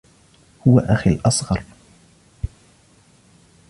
هو أخي الأصغر.